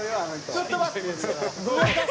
ちょっと待って。